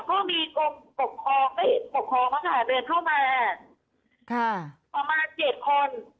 ก็มีกลุ่มปกครองนะคะเดินเข้ามาประมาณ๗คน